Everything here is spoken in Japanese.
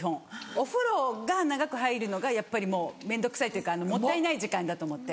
お風呂が長く入るのがやっぱりもう面倒くさいというかもったいない時間だと思って。